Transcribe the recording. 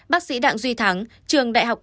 bác sĩ đặng duy thắng trường đại học